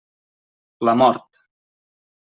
La mort.